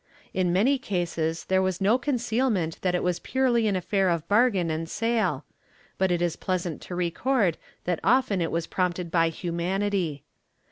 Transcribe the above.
In many cases there was no concealment that it was purely an affair of bargain and sale, but it is pleasant to record that often it was prompted by humanity.